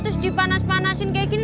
terus dipanas panasin kayak gini